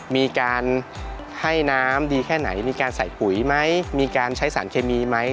มีการให้น้ำดีแค่ไหนมีการใส่ปุ๋ยไหมมีการใช้สารเคมีไหม